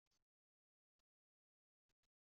Texsed cem lkas bla n latay?